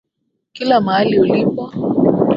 Kila mahali ulipo